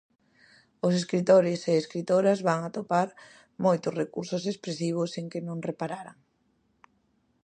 Os escritores e escritoras van atopar moitos recursos expresivos en que non repararan.